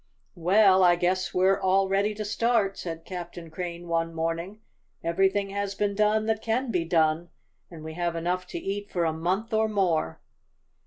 "Well, I guess we're all ready to start," said Captain Crane one morning. "Everything has been done that can be done, and we have enough to eat for a month or more."